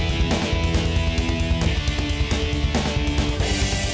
please kamu dengerin aku lai